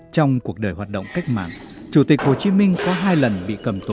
trong cuộc đời hoạt động cách mạng chủ tịch hồ chí minh có hai lần bị cầm tù